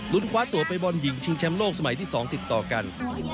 ลุ้นขวาตัวไปบอนหญิงชิงแชมลกสมัยที่๒ติดต่อกัน